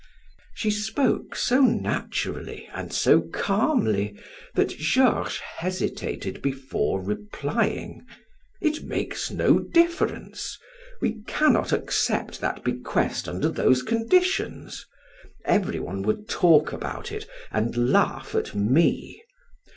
She spoke so naturally and so calmly that Georges hesitated before replying: "It makes no difference; we cannot accept that bequest under those conditions. Everyone would talk about it and laugh at me.